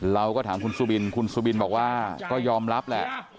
เราก็ถามคุณสุบินคุณสุบินบอกว่าก็ยอมรับแหละ